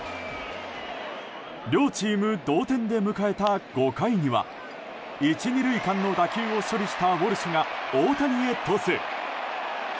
両チーム、同点で迎えた５回には１、２塁間の打球を処理したウォルシュが大谷へトス。